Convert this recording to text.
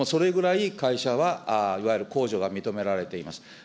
もうそれぐらい会社はいわゆる控除が認められています。